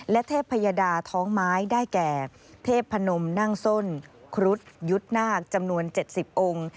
และเทพยดาท้องไม้ได้แก่เทพนมนั่งส้นครุฑยุทธ์นาคจำนวน๗๐องค์